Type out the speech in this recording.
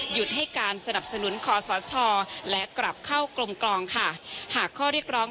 ให้การสนับสนุนคอสชและกลับเข้ากลมกลองค่ะหากข้อเรียกร้อง